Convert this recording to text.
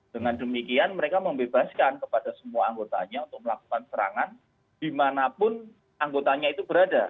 dengan demikian mereka membebaskan kepada semua anggotanya untuk melakukan serangan dimanapun anggotanya itu berada